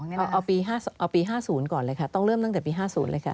เอาปี๕๐ก่อนเลยค่ะต้องเริ่มตั้งแต่ปี๕๐เลยค่ะ